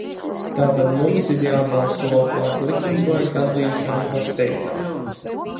Tātad mums ir jābalso par likumprojekta atzīšanu par steidzamu.